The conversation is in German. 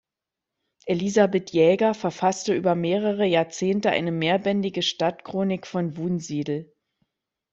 Elisabeth Jäger verfasste über mehrere Jahrzehnte eine mehrbändige Stadtchronik von Wunsiedel.